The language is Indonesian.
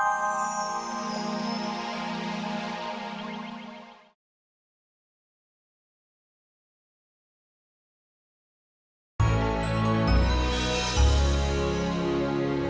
gue ga bisa jauhi itu